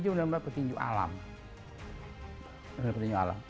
dan emang benar benar ini petinju benar benar petinju alam